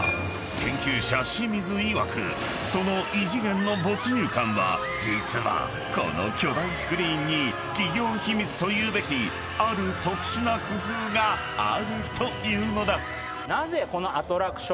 ［研究者清水いわくその異次元の没入感は実はこの巨大スクリーンに企業秘密というべきある特殊な工夫があるというのだ］